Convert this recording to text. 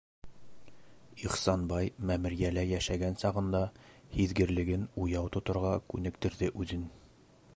Ихсанбай мәмерйәлә йәшәгән сағында һиҙгерлеген уяу тоторға күнектерҙе үҙен.